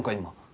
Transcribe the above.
今。